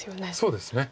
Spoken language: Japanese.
そうですね。